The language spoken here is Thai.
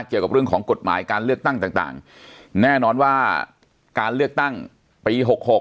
เกี่ยวกับเรื่องของกฎหมายการเลือกตั้งต่างแน่นอนว่าการเลือกตั้งปี๖๖